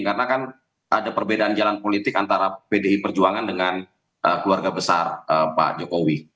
karena kan ada perbedaan jalan politik antara pdip perjuangan dengan keluarga besar pak jokowi